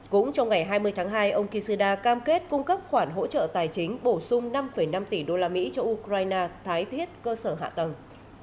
cũng trong ngày hai mươi tháng hai ông kishida cam kết cung cấp khoản hỗ trợ tài chính bổ sung năm năm tỷ usd cho ukraine thái thiết cơ sở hạ tầng